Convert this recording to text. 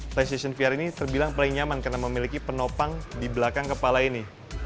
playstation vr ini terbilang paling nyaman karena memiliki penopang di belakang kepala ini